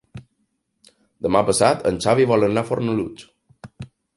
Demà passat en Xavi vol anar a Fornalutx.